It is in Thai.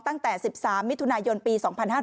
ตั้งแต่๑๓มิถุนายนปี๒๕๕๙